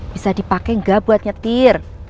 bisa dipake gak buat nyetir